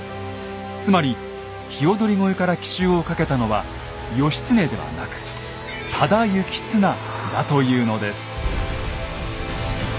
つまり鵯越から奇襲をかけたのは義経ではなく多田行綱だというのです。